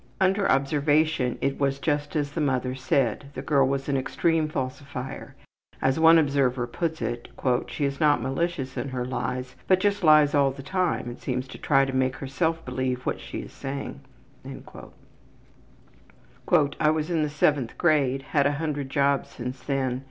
Under observation it was just as the mother said. The girl was an extreme falsifier. As one observer puts it, ``she is not malicious in her lies, but just lies all the time and seems to try to make herself believe what she is saying.'' ``I was in the 7th grade. Had a hundred jobs since then.